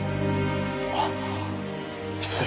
あっ失礼。